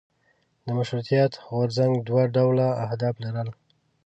د مشروطیت غورځنګ دوه ډوله اهداف لرل.